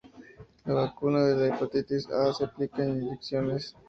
La vacuna de la hepatitis A se aplica en inyecciones.